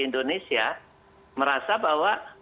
indonesia merasa bahwa